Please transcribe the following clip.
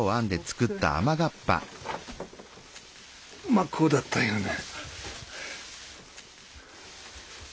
まあこうだったよね。